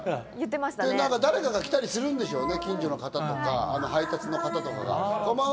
誰かが来たりするんでしょうね。